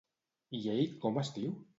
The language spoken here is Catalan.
I ell com es diu?